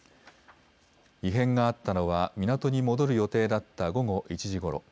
異変があったのは、港に戻る予定だった午後１時ごろ。